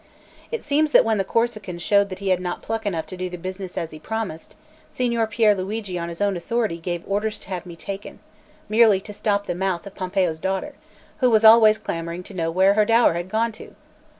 It seems that when the Corsican showed that he had not pluck enough to do the business as he promised, Signor Pier Luigi on his own authority gave orders to have me taken, merely to stop the mouth of Pompeo's daughter, who was always clamouring to know where her dower had gone to.